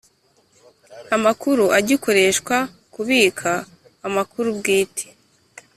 amakuru agikoreshwa kubika amakuru bwite